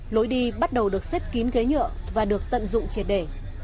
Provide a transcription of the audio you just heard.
lối đi bắt đầu được xếp kín ghế nhựa và được tận dụng triệt để